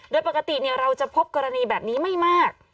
โดยปกติเราจะพบกรณีแบบนี้ไม่มาก